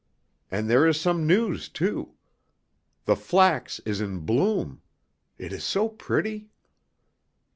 And there is some news too. The flax is in bloom. It is so pretty."